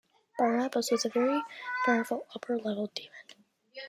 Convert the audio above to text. Barbas is a very powerful upper level demon.